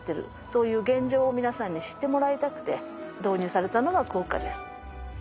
そういう現状を皆さんに知ってもらいたくて導入されたのがクオッカです。